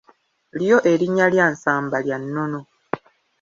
Lyo erinnya lya Nsamba lya nnono.